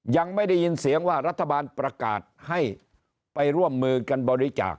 ยังไม่ได้ยินเสียงว่ารัฐบาลประกาศให้ไปร่วมมือกันบริจาค